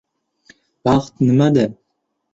“Baxt nimada?”